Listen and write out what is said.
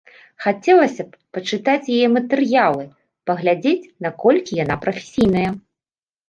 Хацелася б пачытаць яе матэрыялы, паглядзець наколькі яна прафесійная.